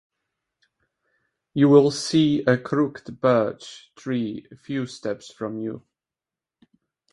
You will see a crooked birch tree a few steps from you.